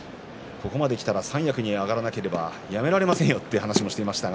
ここまでくれば三役までいかなければやめられませんという話をしていました。